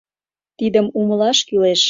Тидым умылаш кӱлеш...